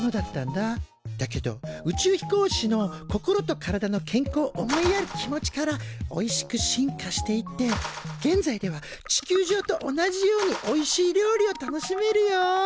だけど宇宙飛行士の心と体の健康を思いやる気持ちからおいしく進化していって現在では地球上と同じようにおいしい料理を楽しめるよ。